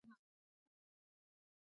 آب وهوا د افغان ښځو په ژوند کې رول لري.